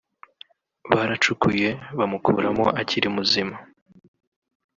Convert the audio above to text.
baracukuye bamukuramo akiri muzima